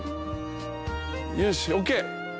よしＯＫ。